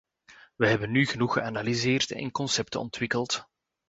Wij hebben nu genoeg geanalyseerd en concepten ontwikkeld.